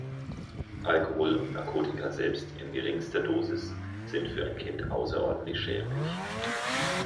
Alkohol und Narkotika selbst in geringster Dosis sind für ein Kind außerordentlich schädlich.